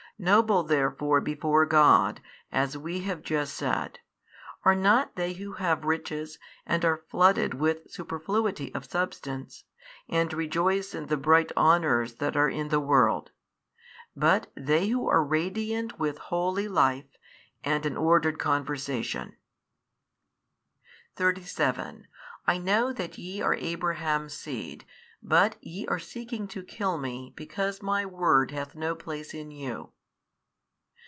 Noble therefore before God, as we have just said, are not they who have riches and are flooded with superfluity of substance, and rejoice in the bright honours that are in the world, but they who are radiant with holy life and an ordered conversation. 37 I know that ye are Abraham's seed; but ye are seeking to kill Me because My word hath no place in you.